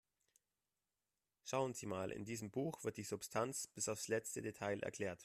Schauen Sie mal, in diesem Buch wird die Substanz bis aufs letzte Detail erklärt.